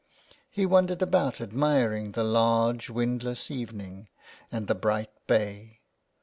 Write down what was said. " He wandered about admiring the large windless evening and the bright bay.